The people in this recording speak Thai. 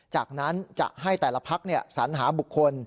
จากนั้นจะให้แต่ละพักสัญหาบุคคล